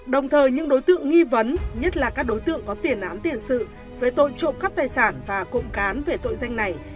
đồng thời những đối tượng nghi vấn nhất là các đối tượng có tiền án tiền sự về tội trộm cắp tài sản và cộng cán về tội danh này